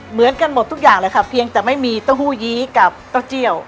เหมือนกันหมดทุกอย่างเลยค่ะเพียงแต่ไม่มีเต้าหู้ยี้กับเต้าเจียว